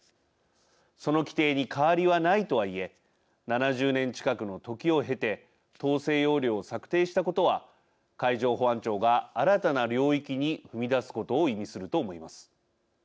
その規定に変わりはないとはいえ７０年近くの時を経て統制要領を策定したことは海上保安庁が新たな領域に踏み出すことを意味すると思います。